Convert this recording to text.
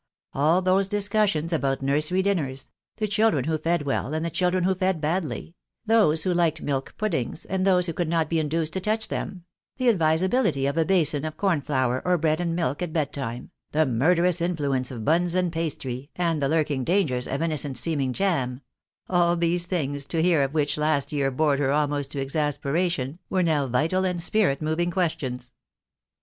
All those discussions about nursery dinners — the children who fed well and the children who fed badly — those who liked milk puddings and those who could not be induced to touch them — the advisability THE DAY WILL COME. 28j of a basin of cornflour or bread and milk at bedtime, the murderous influence of buns and pastry, and the lurking dangers of innocent seeming jam — all these things, to hear of which last year bored her almost to exasperation, were now vital and spirit moving questions.